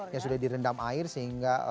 yang sudah direndam air sehingga